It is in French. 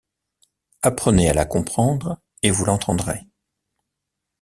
Apprenez à la comprendre et vous l’entendrez.